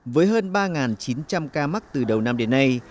với hơn ba chín trăm linh ca mắc từ đầu năm đến nay